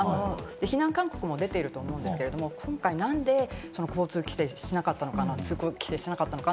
避難勧告も出てると思うんですけれども、今回、なんで交通規制しなかったのか？